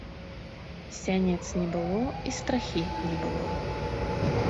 Сянец не было, і страхі не было.